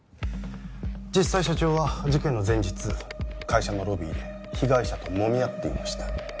実際社長は事件の前日会社のロビーで被害者ともみ合っていました